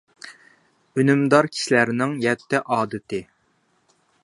ئۈنۈمدار كىشىلەرنىڭ يەتتە ئادىتى.